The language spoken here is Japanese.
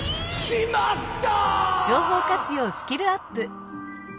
「しまった！」。